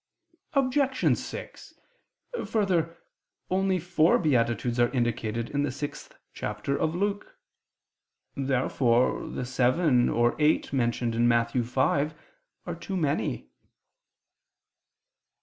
Obj. 6: Further, only four beatitudes are indicated in the sixth chapter of Luke. Therefore the seven or eight mentioned in Matthew 5 are too many.